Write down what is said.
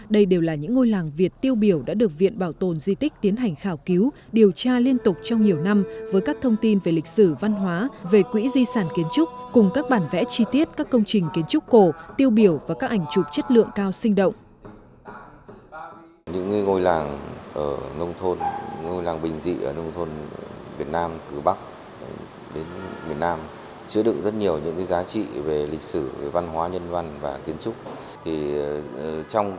đây đều là những ngôi làng việt tiêu biểu đã được viện bảo tồn di tích tiến hành khảo cứu điều tra liên tục trong nhiều năm với các thông tin về lịch sử văn hóa về quỹ di sản kiến trúc cùng các bản vẽ chi tiết các công trình kiến trúc cổ tiêu biểu và các ảnh chụp chất lượng cao sinh động